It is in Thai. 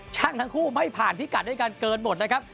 ช่างทั้งคู่ไม่ผ่านที่กัดด้วยการเกินหมดนะครับ